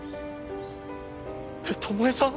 えっ巴さん？